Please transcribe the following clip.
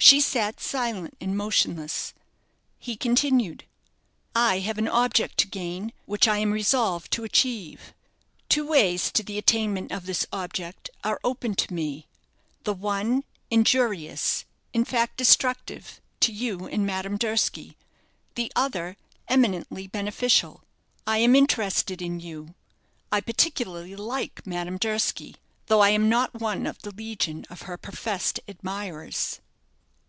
She sat silent and motionless. He continued: "I have an object to gain, which I am resolved to achieve. Two ways to the attainment of this object are open to me; the one injurious, in fact destructive, to you and Madame Durski, the other eminently beneficial. I am interested in you. I particularly like Madame Durski, though I am not one of the legion of her professed admirers."